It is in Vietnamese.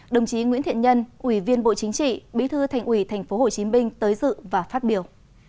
đồng chí nguyễn thiện nhân ủy viên bộ chính trị bí thư thành ủy tp hcm tới dự và phát biểu